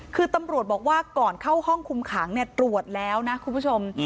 คือตำรวจบอกว่าก่อนเข้าห้องคุมขังตรวจแล้วนะคุณผู้ชม